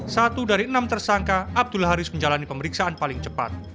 satu dari enam tersangka abdul haris menjalani pemeriksaan paling cepat